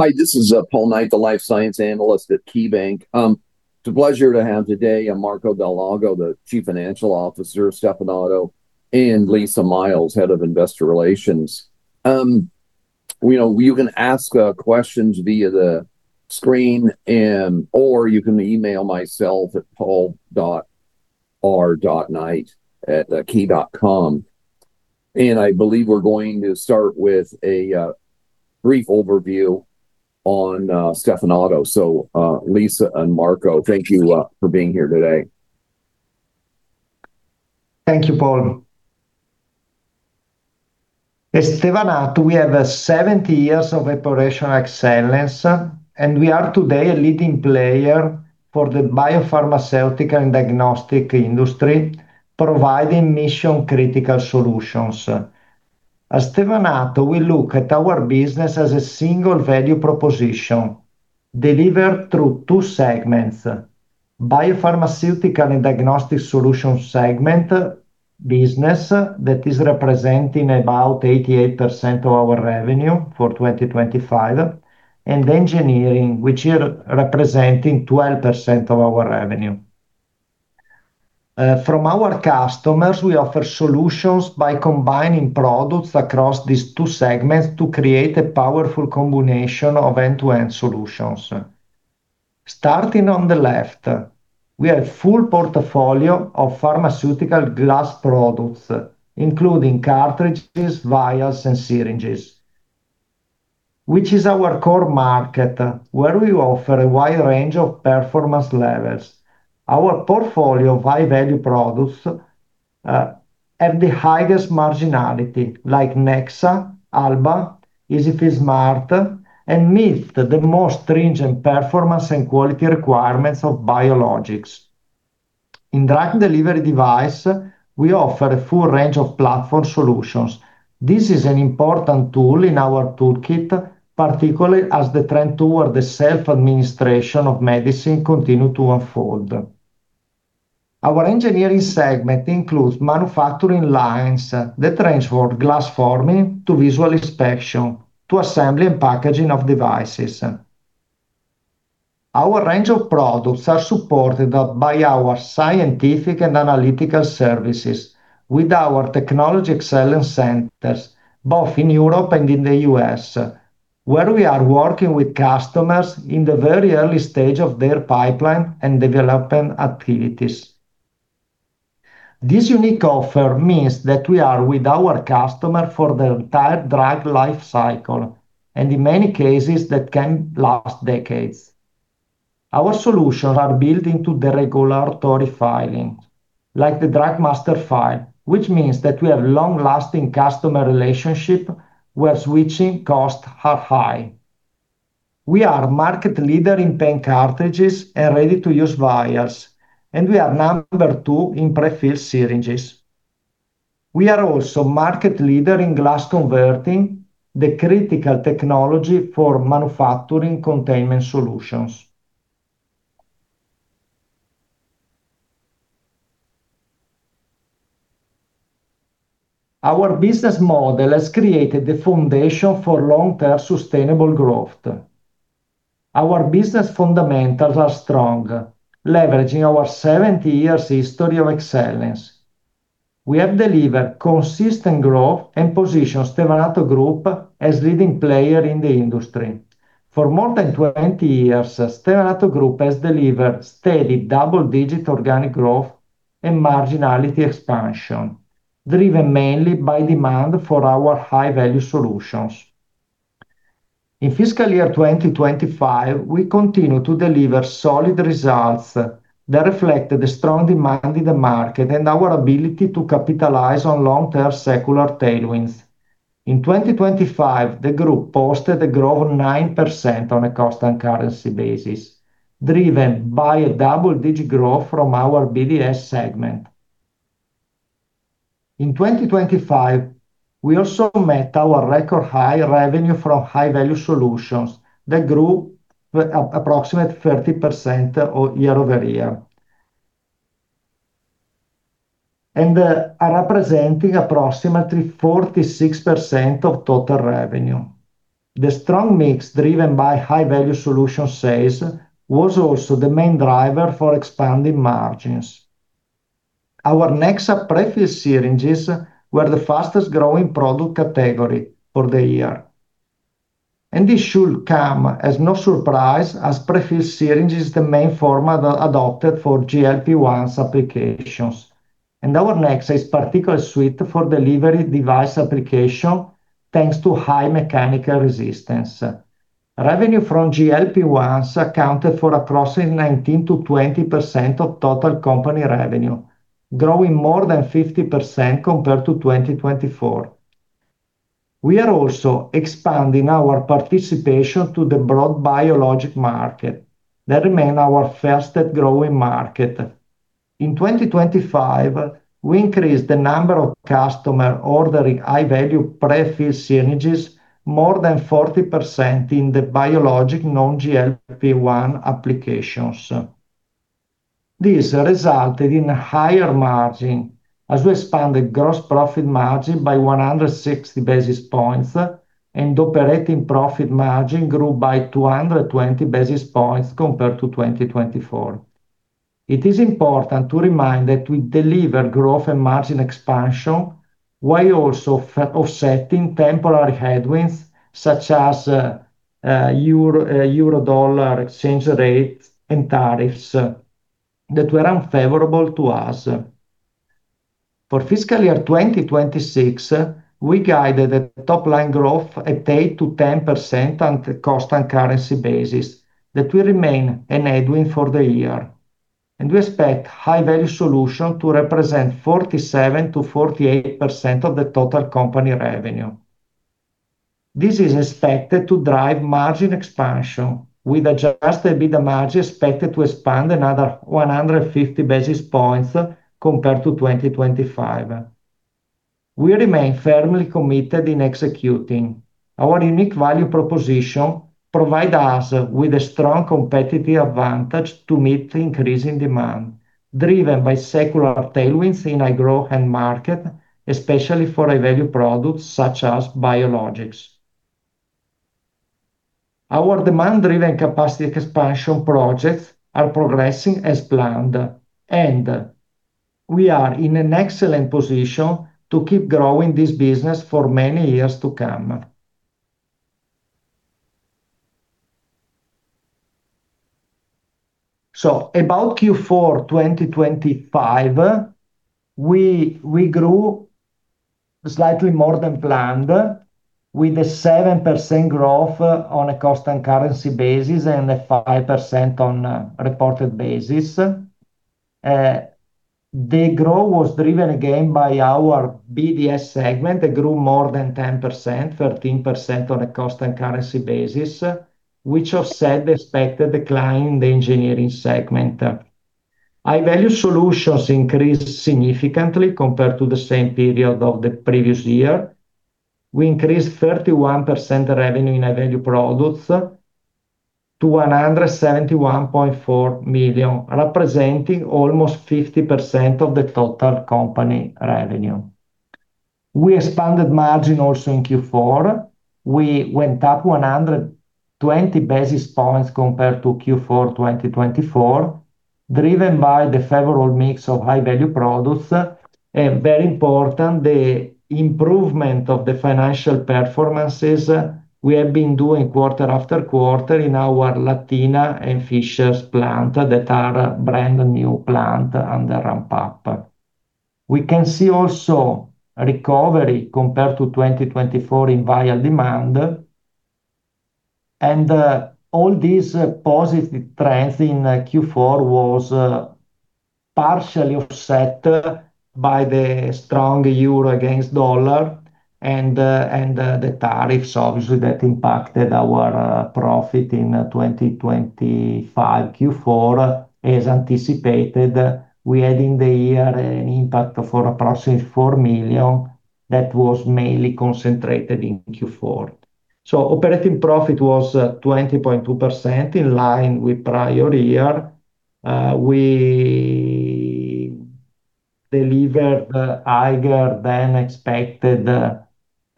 Hi, this is Paul Knight, the life science analyst at KeyBanc. It's a pleasure to have today Marco Dal Lago, the Chief Financial Officer of Stevanato Group, and Lisa Miles, Head of Investor Relations. You know, you can ask questions via the screen and/or you can email myself at paul.r.knight@key.com. I believe we're going to start with a brief overview on Stevanato Group. Lisa and Marco, thank you for being here today. Thank you, Paul. At Stevanato, we have 70 years of operational excellence, and we are today a leading player for the biopharmaceutical and diagnostic industry, providing mission-critical solutions. At Stevanato, we look at our business as a single value proposition delivered through two segments, Biopharmaceutical and Diagnostic Solutions segment business that is representing about 88% of our revenue for 2025, and Engineering, which are representing 12% of our revenue. From our customers, we offer solutions by combining products across these two segments to create a powerful combination of end-to-end solutions. Starting on the left, we have full portfolio of pharmaceutical glass products, including cartridges, vials, and syringes, which is our core market, where we offer a wide range of performance levels. Our portfolio of high-value products have the highest marginality, like Nexa, Alba, EZ-fill Smart, and meet the most stringent performance and quality requirements of biologics. In drug delivery device, we offer a full range of platform solutions. This is an important tool in our toolkit, particularly as the trend toward the self-administration of medicine continue to unfold. Our Engineering segment includes manufacturing lines that range from glass forming to visual inspection to assembly and packaging of devices. Our range of products are supported by our scientific and analytical services with our Technology Excellence Centers, both in Europe and in the U.S., where we are working with customers in the very early stage of their pipeline and development activities. This unique offer means that we are with our customer for the entire drug life cycle, and in many cases that can last decades. Our solutions are built into the regulatory filing, like the Drug Master File, which means that we have long-lasting customer relationship where switching costs are high. We are market leader in pen cartridges and ready-to-use vials, and we are number two in prefilled syringes. We are also market leader in glass converting, the critical technology for manufacturing containment solutions. Our business model has created the foundation for long-term sustainable growth. Our business fundamentals are strong, leveraging our 70 years history of excellence. We have delivered consistent growth and positioned Stevanato Group as leading player in the industry. For more than 20 years, Stevanato Group has delivered steady double-digit organic growth and margin expansion, driven mainly by demand for our high-value solutions. In fiscal year 2025, we continued to deliver solid results that reflected the strong demand in the market and our ability to capitalize on long-term secular tailwinds. In 2025, the group posted a growth of 9% on a constant currency basis, driven by a double-digit growth from our BDS segment. In 2025, we also met our record high revenue from high-value solutions that grew approximately 30% year-over-year and are representing approximately 46% of total revenue. The strong mix driven by high-value solution sales was also the main driver for expanding margins. Our Nexa prefilled syringes were the fastest-growing product category for the year. This should come as no surprise as prefilled syringe is the main format adopted for GLP-1 applications. Our Nexa is particularly suited for delivery device application, thanks to high mechanical resistance. Revenue from GLP-1s accounted for approximately 19%-20% of total company revenue, growing more than 50% compared to 2024. We are also expanding our participation to the broad biologic market that remain our fastest growing market. In 2025, we increased the number of customers ordering high-value prefilled syringes more than 40% in the biologic non-GLP-1 applications. This resulted in a higher margin as we expanded gross profit margin by 160 basis points, and operating profit margin grew by 220 basis points compared to 2024. It is important to remind that we deliver growth and margin expansion while also offsetting temporary headwinds such as euro-dollar exchange rate and tariffs that were unfavorable to us. For fiscal year 2026, we guided a top-line growth at 8%-10% on the constant currency basis that will remain a headwind for the year. We expect high-value solution to represent 47%-48% of the total company revenue. This is expected to drive margin expansion with Adjusted EBITDA margin expected to expand another 150 basis points compared to 2025. We remain firmly committed in executing our unique value proposition provide us with a strong competitive advantage to meet the increasing demand, driven by secular tailwinds in high-growth end market, especially for high-value products such as biologics. Our demand-driven capacity expansion projects are progressing as planned, and we are in an excellent position to keep growing this business for many years to come. About Q4 2025, we grew slightly more than planned with a 7% growth on a constant currency basis and a 5% on a reported basis. The growth was driven again by our BDS segment that grew more than 10%, 13% on a constant currency basis, which offset the expected decline in the engineering segment. High-value solutions increased significantly compared to the same period of the previous year. We increased 31% revenue in high-value products to 171.4 million, representing almost 50% of the total company revenue. We expanded margin also in Q4. We went up 120 basis points compared to Q4 2024, driven by the favorable mix of high-value products. Very important, the improvement of the financial performances we have been doing quarter after quarter in our Latina and Fishers plant that are brand-new plant under ramp-up. We can see also recovery compared to 2024 in vial demand. All these positive trends in Q4 was partially offset by the strong euro against dollar and the tariffs obviously that impacted our profit in 2025 Q4. As anticipated, we had in the year an impact for approximately 4 million that was mainly concentrated in Q4. Operating profit was 20.2% in line with prior year. We delivered higher-than-expected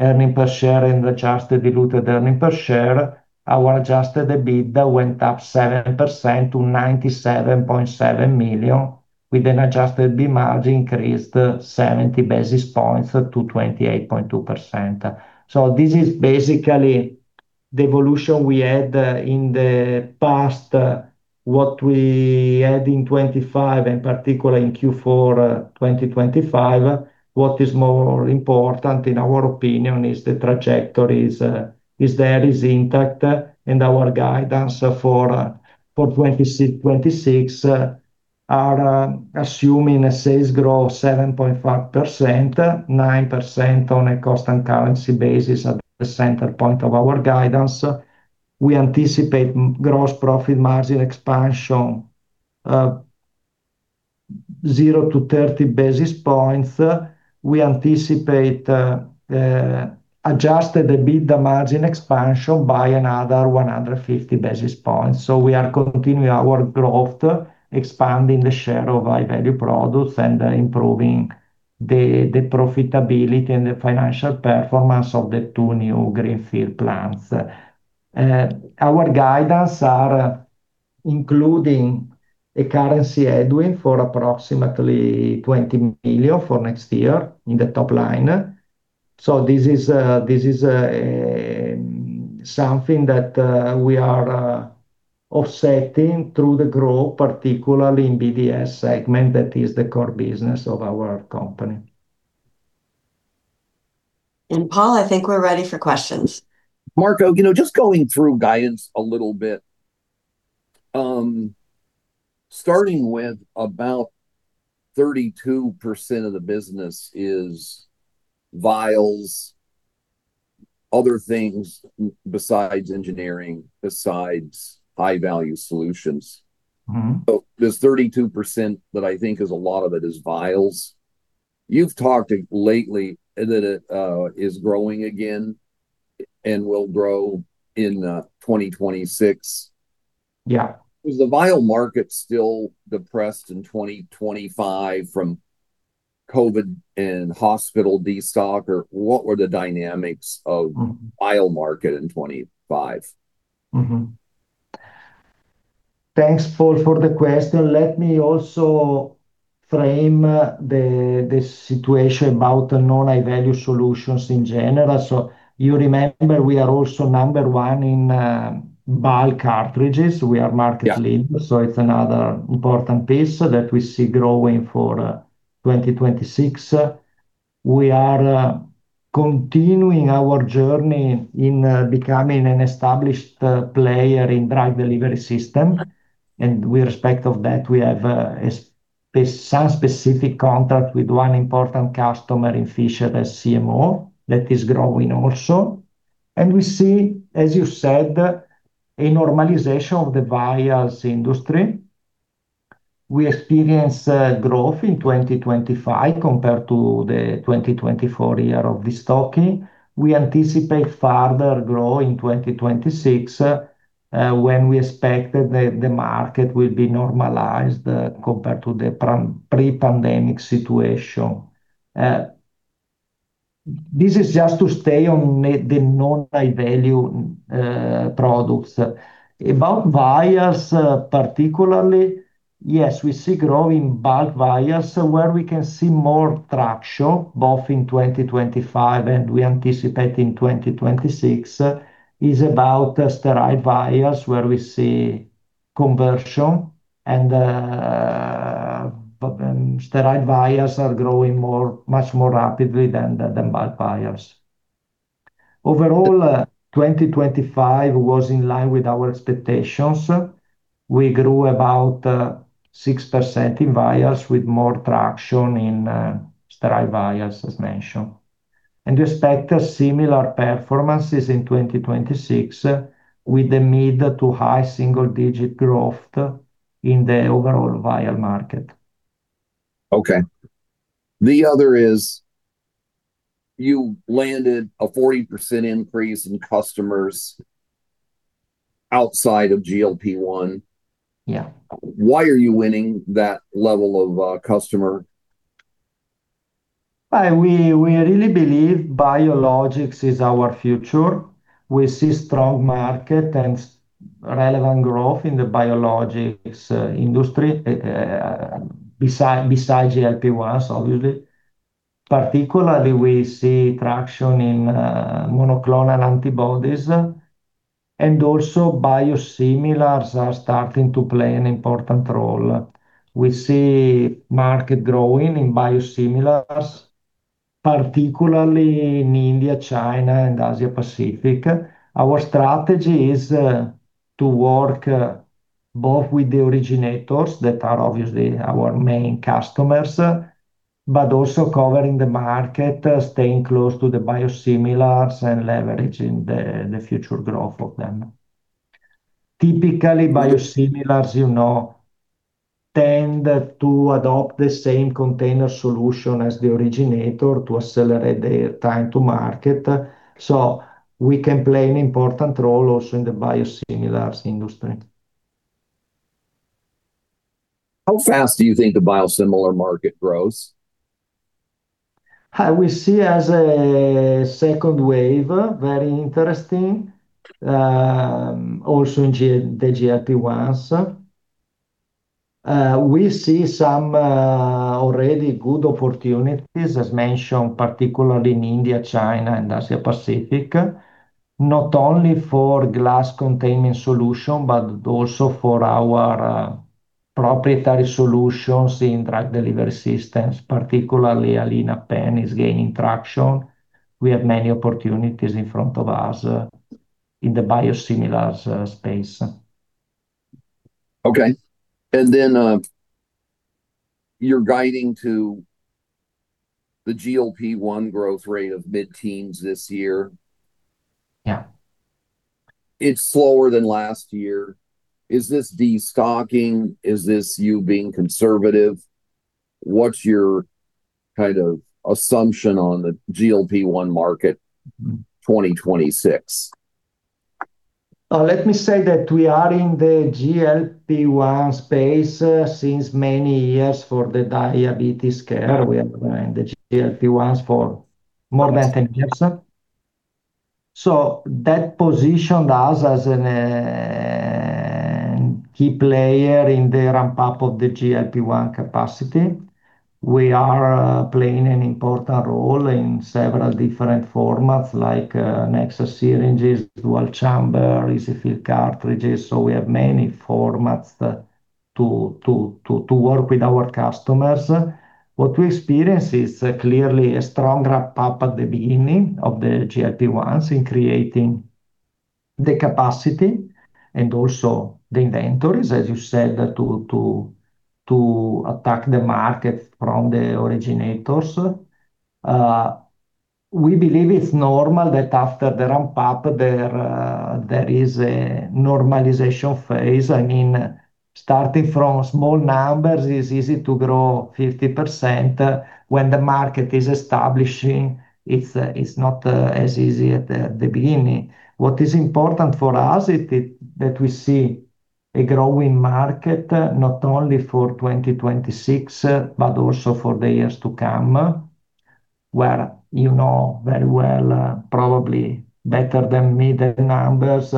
earnings per share and adjusted diluted earnings per share. Our Adjusted EBITDA went up 7% to 97.7 million, with an Adjusted EBITDA margin increased 70 basis points to 28.2%. This is basically the evolution we had in the past, what we had in 2025, in particular in Q4 2025. What is more important, in our opinion, is the trajectory is intact, and our guidance for 2026 assumes a sales growth 7.5%-9% on a constant currency basis at the center point of our guidance. We anticipate gross profit margin expansion, 0-30 basis points. We anticipate Adjusted EBITDA margin expansion by another 150 basis points. We are continuing our growth, expanding the share of high-value products, and improving the profitability and the financial performance of the two new greenfield plants. Our guidance are including a currency headwind for approximately 20 million for next year in the top line. This is something that we are offsetting through the growth, particularly in BDS segment, that is the core business of our company. Paul, I think we're ready for questions. Marco, you know, just going through guidance a little bit, starting with about 32% of the business is vials, other things besides engineering, besides high-value solutions. This 32% that I think is a lot of it is vials. You've talked lately that it is growing again and will grow in 2026. Yeah. Is the vial market still depressed in 2025 from COVID and hospital destock? Vial market in 2025? Thanks, Paul, for the question. Let me also frame the situation about the non-high value solutions in general. You remember we are also number one in bulk cartridges. We are market- Yeah... leaders, it's another important piece that we see growing for 2026. We are continuing our journey in becoming an established player in drug delivery system, and with respect to that, we have specific contract with one important customer in Fishers, the CMO, that is growing also. We see, as you said, a normalization of the vials industry. We experienced growth in 2025 compared to the 2024 year of destocking. We anticipate further growth in 2026 when we expect the market will be normalized compared to the pre-pandemic situation. This is just to stay on the non-high value products. About vials, particularly, yes, we see growth in bulk vials where we can see more traction, both in 2025 and we anticipate in 2026, is about the sterile vials where we see conversion and, but then sterile vials are growing more, much more rapidly than bulk vials. Overall, 2025 was in line with our expectations. We grew about 6% in vials with more traction in sterile vials as mentioned. We expect similar performances in 2026, with the mid- to high-single-digit growth in the overall vial market. Okay. The other is you landed a 40% increase in customers outside of GLP-1. Yeah. Why are you winning that level of customer? We really believe biologics is our future. We see strong market and relevant growth in the biologics industry, besides GLP-1s obviously. Particularly, we see traction in monoclonal antibodies, and also biosimilars are starting to play an important role. We see market growing in biosimilars, particularly in India, China and Asia-Pacific. Our strategy is to work both with the originators that are obviously our main customers, but also covering the market, staying close to the biosimilars and leveraging the future growth of them. Typically, biosimilars, you know, tend to adopt the same container solution as the originator to accelerate their time to market. We can play an important role also in the biosimilars industry. How fast do you think the biosimilar market grows? We see as a second wave, very interesting, also in the GLP-1s. We see some already good opportunities, as mentioned, particularly in India, China and Asia-Pacific, not only for glass containment solution, but also for our proprietary solutions in drug delivery systems, particularly Alina Pen is gaining traction. We have many opportunities in front of us in the biosimilars space. Okay. You're guiding to the GLP-1 growth rate of mid-teens this year. Yeah. It's slower than last year. Is this destocking? Is this you being conservative? What's your kind of assumption on the GLP-1 market 2026? Let me say that we are in the GLP-1 space since many years for the diabetes care. We are growing the GLP-1s for more than 10 years. That positioned us as a key player in the ramp up of the GLP-1 capacity. We are playing an important role in several different formats, like Nexa syringes, dual chamber, EZ-fill cartridges. We have many formats to work with our customers. What we experience is clearly a strong ramp up at the beginning of the GLP-1s in creating the capacity and also the inventories, as you said, to attack the market from the originators. We believe it's normal that after the ramp up, there is a normalization phase. I mean, starting from small numbers is easy to grow 50%. When the market is establishing, it's not as easy at the beginning. What is important for us is that we see a growing market, not only for 2026, but also for the years to come. Where you know very well, probably better than me the numbers,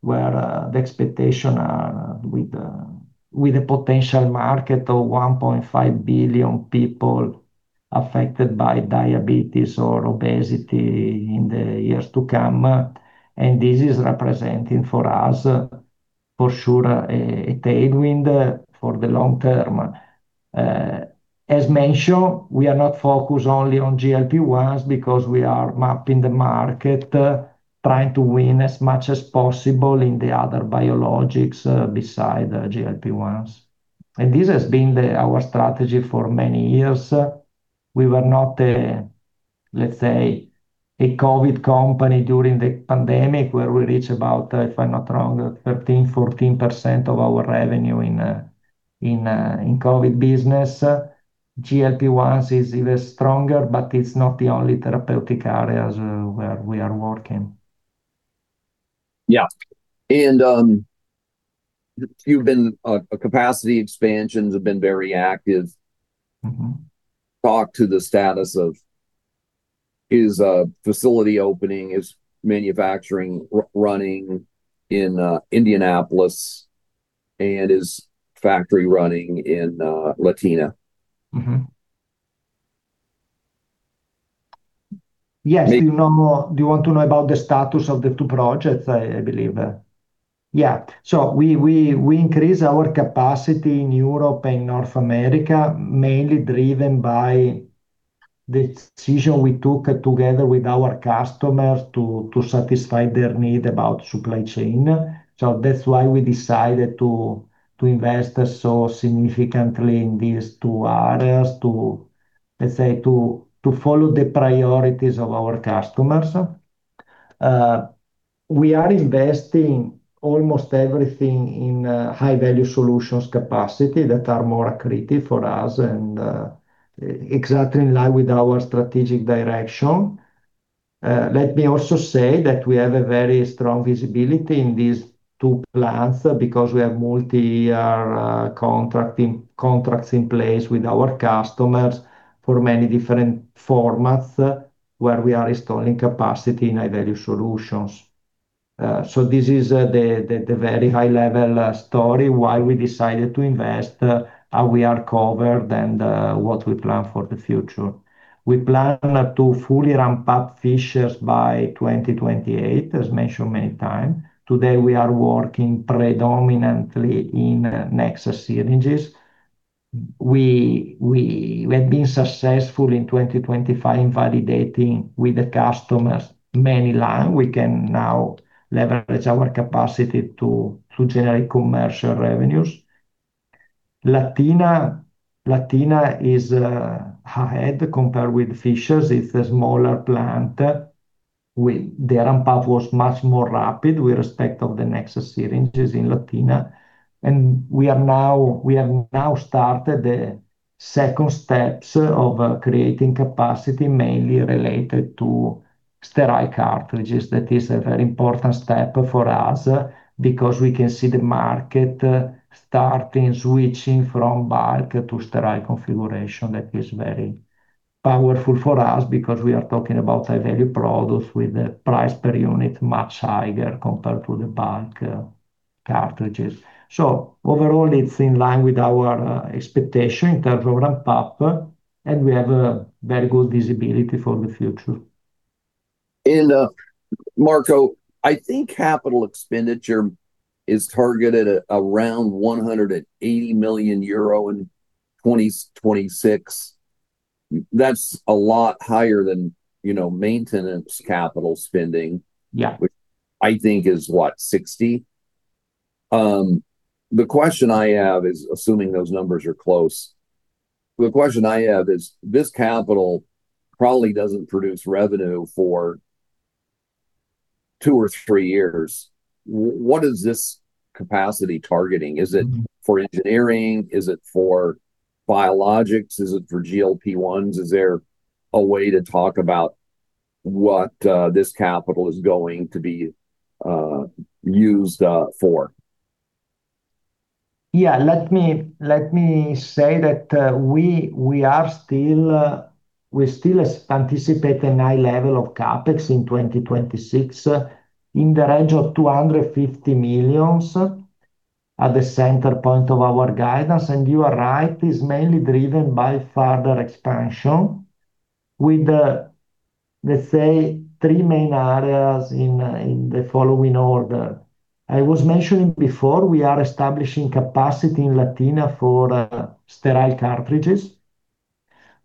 where the expectation are with the potential market of 1.5 billion people affected by diabetes or obesity in the years to come. This is representing for us, for sure, a tailwind for the long term. As mentioned, we are not focused only on GLP-1s because we are mapping the market, trying to win as much as possible in the other biologics, besides the GLP-1s. This has been our strategy for many years. We were not, let's say, a COVID company during the pandemic where we reached about, if I'm not wrong, 13%-14% of our revenue in COVID business. GLP-1s is even stronger, but it's not the only therapeutic areas where we are working. Yeah. Your capacity expansions have been very active. Talk to the status of its facility opening. Is manufacturing running in Indianapolis and factory running in Latina? Yes. Do you want to know about the status of the two projects, I believe? Yeah. We increase our capacity in Europe and North America, mainly driven by the decision we took together with our customers to satisfy their need about supply chain. That's why we decided to invest so significantly in these two areas to, let's say, follow the priorities of our customers. We are investing almost everything in high-value solutions capacity that are more accretive for us and exactly in line with our strategic direction. Let me also say that we have a very strong visibility in these two plants because we have multiyear contracts in place with our customers for many different formats, where we are installing capacity in high-value solutions. This is the very high level story why we decided to invest, how we are covered and what we plan for the future. We plan to fully ramp up Fishers by 2028, as mentioned many times. Today, we are working predominantly in Nexa syringes. We have been successful in 2025 in validating with the customers main line. We can now leverage our capacity to generate commercial revenues. Latina is ahead compared with Fishers. It's a smaller plant. The ramp up was much more rapid with respect to the Nexa syringes in Latina. We have started the second steps of creating capacity mainly related to sterile cartridges. That is a very important step for us because we can see the market starting switching from bulk to sterile configuration. That is very powerful for us because we are talking about high-value products with the price per unit much higher compared to the bulk cartridges. Overall, it's in line with our expectation in terms of ramp up, and we have a very good visibility for the future. Marco, I think capital expenditure is targeted at around 180 million euro in 2026. That's a lot higher than, you know, maintenance capital spending. Yeah. Which I think is what? 60. The question I have is, assuming those numbers are close, this capital probably doesn't produce revenue for two or three years. What is this capacity targeting? Is it for engineering? Is it for biologics? Is it for GLP-1s? Is there a way to talk about what this capital is going to be used for? Yeah. Let me say that, we still anticipate a high level of CapEx in 2026, in the range of 250 million, at the center point of our guidance. You are right, it's mainly driven by further expansion with the, let's say, three main areas in the following order. I was mentioning before, we are establishing capacity in Latina for sterile cartridges,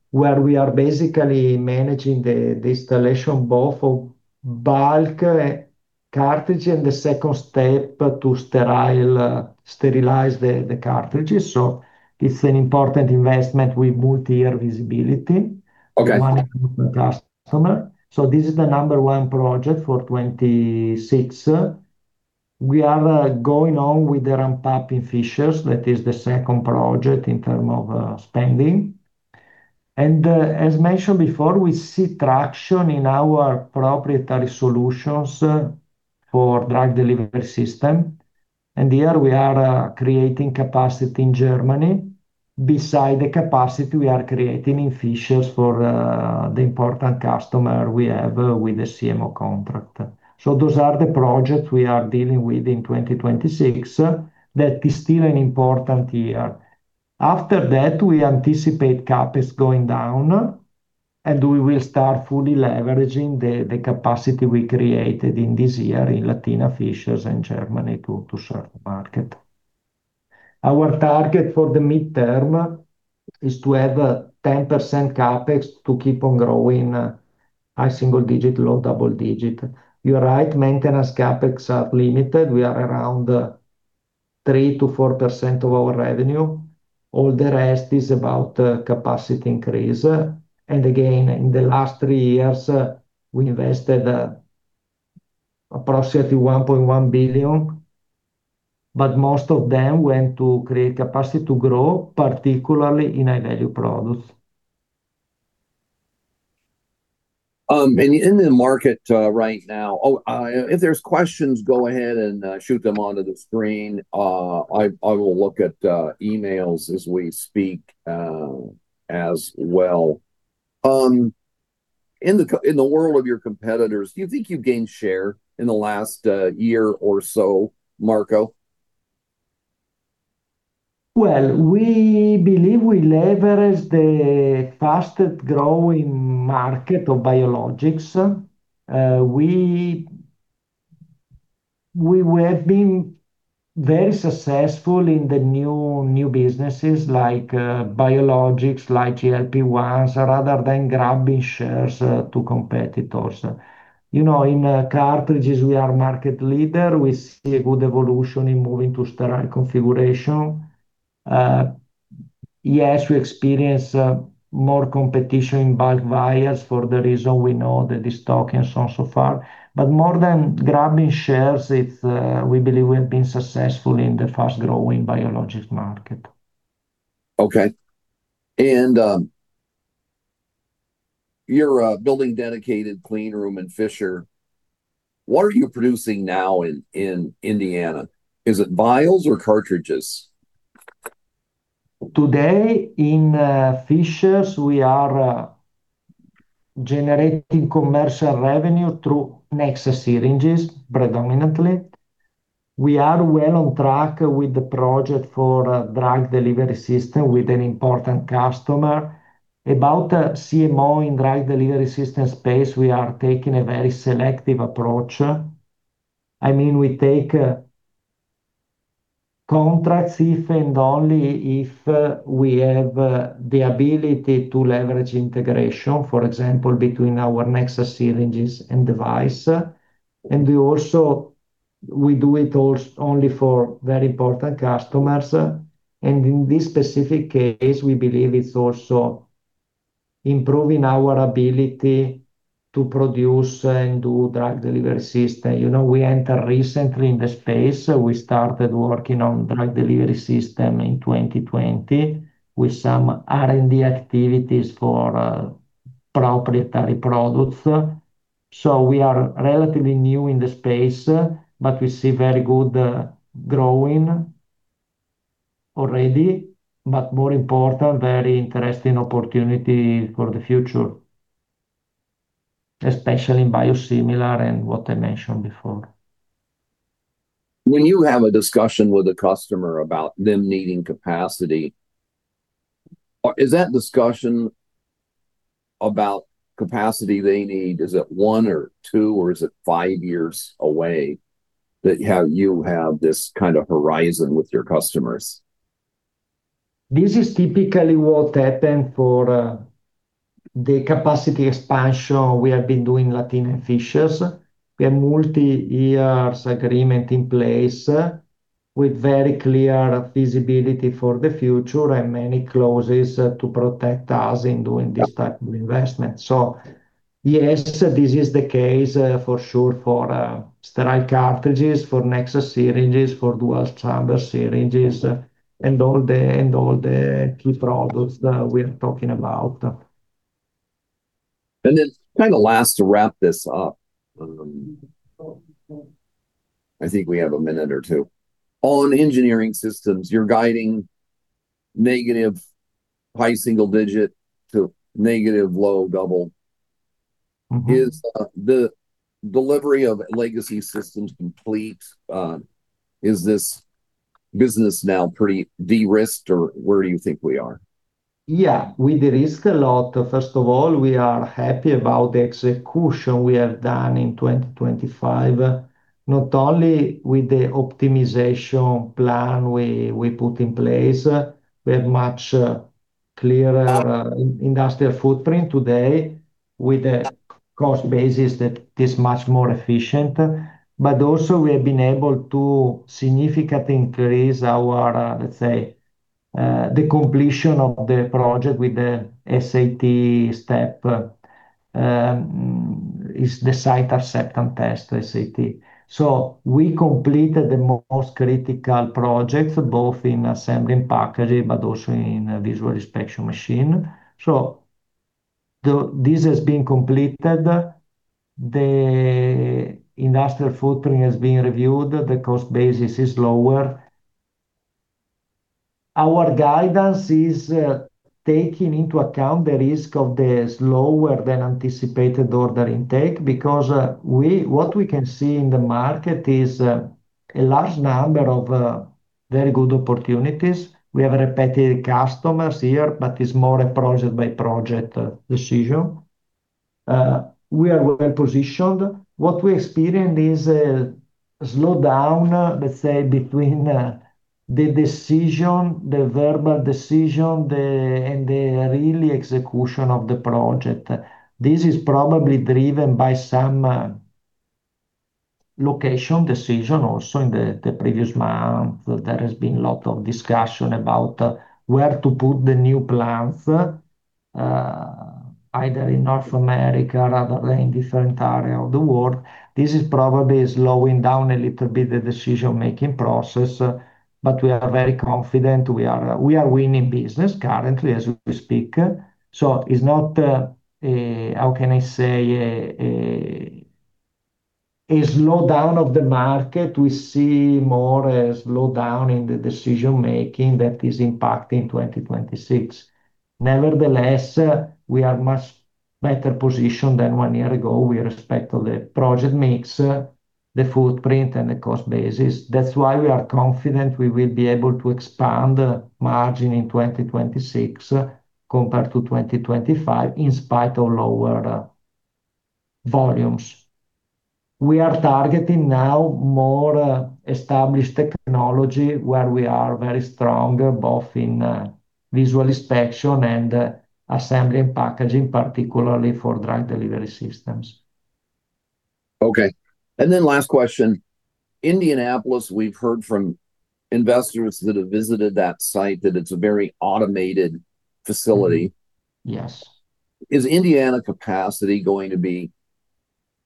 where we are basically managing the installation both of bulk cartridge and the second step to sterilize the cartridges. It's an important investment with multi-year visibility. Okay... for customer. This is the number one project for 2026. We are going on with the ramp-up in Fishers. That is the second project in terms of spending. As mentioned before, we see traction in our proprietary solutions for drug delivery system. Here we are creating capacity in Germany besides the capacity we are creating in Fishers for the important customer we have with the CMO contract. Those are the projects we are dealing with in 2026. That is still an important year. After that, we anticipate CapEx going down, and we will start fully leveraging the capacity we created in this year in Latina, Fishers, and Germany to serve the market. Our target for the midterm is to have a 10% CapEx to keep on growing high single digit, low double digit. You're right, maintenance CapEx are limited. We are around 3%-4% of our revenue. All the rest is about the capacity increase. Again, in the last three years, we invested approximately 1.1 billion, but most of them went to create capacity to grow, particularly in high-value products. in the market right now. If there's questions, go ahead and shoot them onto the screen. I will look at emails as we speak as well. In the world of your competitors, do you think you've gained share in the last year or so, Marco? Well, we believe we leverage the fastest growing market of biologics. We have been very successful in the new businesses like biologics, like GLP-1s, rather than grabbing shares to competitors. You know, in cartridges we are market leader. We see a good evolution in moving to sterile configuration. Yes, we experience more competition in bulk vials for the reason we know the stock and so on, so far. More than grabbing shares, it's we believe we have been successful in the fast-growing biologics market. Okay. You're building dedicated clean room in Fishers. What are you producing now in Indiana? Is it vials or cartridges? Today in Fishers, we are generating commercial revenue through Nexa syringes predominantly. We are well on track with the project for a drug delivery system with an important customer. About the CMO in drug delivery system space, we are taking a very selective approach. I mean, we take contracts if and only if we have the ability to leverage integration, for example, between our Nexa syringes and device. We also do it only for very important customers. In this specific case, we believe it's also improving our ability to produce and do drug delivery system. You know, we enter recently in the space. We started working on drug delivery system in 2020 with some R&D activities for proprietary products. We are relatively new in the space, but we see very good growing already. More important, very interesting opportunity for the future, especially in biosimilar and what I mentioned before. When you have a discussion with a customer about them needing capacity, is that discussion about capacity they need, is it one or two, or is it five years away that you have this kind of horizon with your customers? This is typically what happened for the capacity expansion we have been doing in Latina and Fishers. We have multi-year agreement in place with very clear visibility for the future and many clauses to protect us in doing this type of investment. Yes, this is the case for sure for sterile cartridges, for Nexa syringes, for Dual Chamber Syringes, and all the key products that we're talking about. kind of last to wrap this up, I think we have a minute or two. On Engineering systems, you're guiding negative high single-digit% to negative low double-digit. Is the delivery of legacy systems complete? Is this business now pretty de-risked, or where do you think we are? Yeah, we de-risk a lot. First of all, we are happy about the execution we have done in 2025, not only with the optimization plan we put in place. We have much clearer industrial footprint today with a cost basis that is much more efficient. We have been able to significantly increase our, let's say, the completion of the project with the SAT step. It's the Site Acceptance Test, SAT. We completed the most critical projects, both in assembly and packaging, but also in visual inspection machine. This has been completed. The industrial footprint has been reviewed. The cost basis is lower. Our guidance is taking into account the risk of the slower-than-anticipated order intake because what we can see in the market is a large number of very good opportunities. We have repeated customers here, but it's more a project-by-project decision. We are well-positioned. What we experienced is a slowdown, let's say, between the decision, the verbal decision and the really execution of the project. This is probably driven by some location decision also in the previous month. There has been a lot of discussion about where to put the new plants either in North America rather than different area of the world. This is probably slowing down a little bit the decision-making process, but we are very confident. We are winning business currently as we speak. It's not, how can I say, a slowdown of the market. We see more a slowdown in the decision-making that is impacting 2026. Nevertheless, we are much better positioned than one year ago with respect to the project mix, the footprint, and the cost basis. That's why we are confident we will be able to expand the margin in 2026 compared to 2025, in spite of lower volumes. We are targeting now more established technology where we are very stronger, both in visual inspection and assembly and packaging, particularly for drug delivery systems. Okay. Last question. Indianapolis, we've heard from investors that have visited that site, that it's a very automated facility. Yes. Is Indiana capacity going to be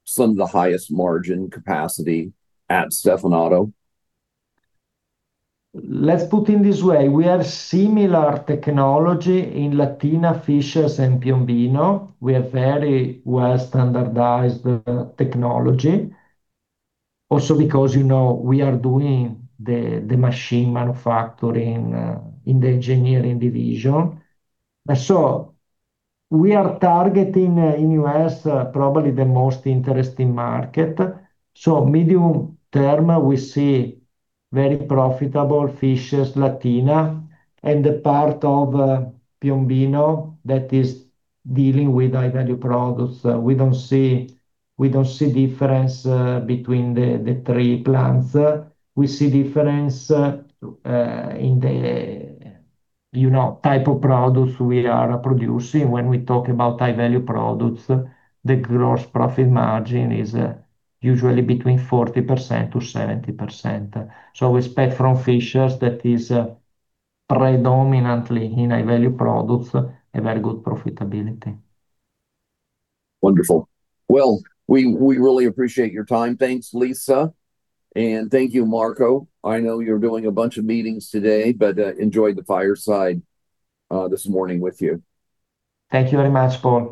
some of the highest margin capacity at Stevanato? Let's put it this way. We have similar technology in Latina, Fishers, and Piombino. We have very well-standardized technology. Also because, you know, we are doing the machine manufacturing in the Engineering division. We are targeting in U.S. probably the most interesting market. Medium term, we see very profitable Fishers, Latina, and the part of Piombino that is dealing with high-value products. We don't see difference between the three plants. We see difference in the, you know, type of products we are producing. When we talk about high-value products, the gross profit margin is usually between 40%-70%. We expect from Fishers, that is predominantly in high-value products, a very good profitability. Wonderful. Well, we really appreciate your time. Thanks, Lisa. Thank you, Marco. I know you're doing a bunch of meetings today, but enjoyed the fireside this morning with you. Thank you very much, Paul.